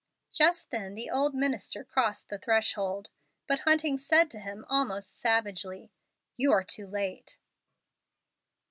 Just then the old minister crossed the threshold, but Hunting said to him, almost savagely, "You are too late."